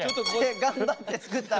頑張って作ったの！